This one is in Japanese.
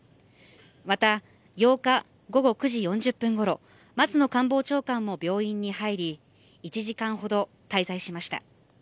また８日午後９時４０分ごろ松野官房長官も病院に入り１時間ほど滞在しました。